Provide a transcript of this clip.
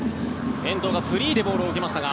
遠藤がフリーでボールを受けましたが。